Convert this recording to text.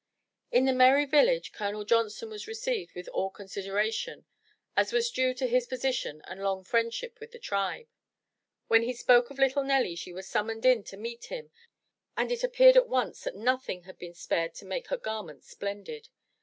In the merry village, Colonel Johnson was received with all consideration as was due to his position and long friendship with the tribe. When he spoke of little Nelly she was summoned in to meet him and it appeared at once that nothing had been spared to make her garments splendid.